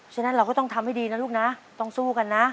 ฉะนั้นเราก็ต้องทำให้ดีนะลูกนะต้องสู้กันนะ